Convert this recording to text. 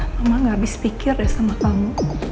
mama gak habis pikir ya sama kamu